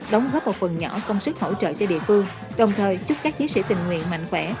đóng góp một phần nhỏ công sức hỗ trợ cho địa phương đồng thời chúc các chiến sĩ tình nguyện mạnh khỏe